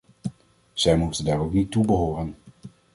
Zij moeten daar ook niet toe behoren.